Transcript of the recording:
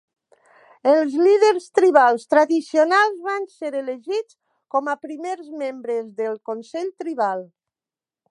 Els líders tribals tradicionals van ser elegits com a primers membres del consell tribal.